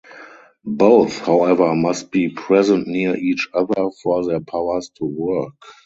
Both however must be present near each other for their powers to work.